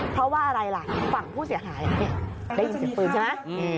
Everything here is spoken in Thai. เพราะว่าอะไรล่ะฝั่งผู้เสียหายได้ยินเสียงปืนใช่ไหม